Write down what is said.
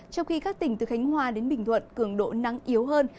trong khi các tỉnh từ khánh hòa đến bình thuận cường độ nắng yếu hơn